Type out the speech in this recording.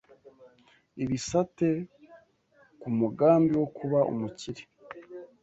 ibisate ku mugambi wo kuba umukire